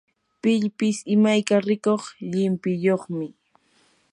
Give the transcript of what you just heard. pillpish imayka rikuq llimpiyuqmi.